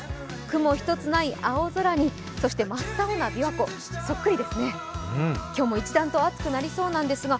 雲一つない青空にそして真っ青なびわ湖、そっくりですね。